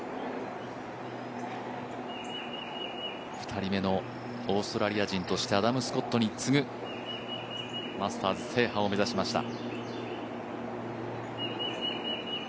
２人目のオーストラリア人としてアダム・スコットに次ぐマスターズ制覇を目指しました。